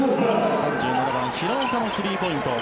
３７番、平岡のスリーポイント。